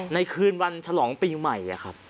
ในคืนวันฉลองปีใหม่ครับ